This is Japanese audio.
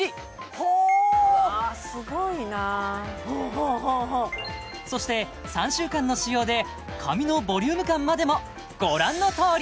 ほっ！わすごいなそして３週間の使用で髪のボリューム感までもご覧のとおり！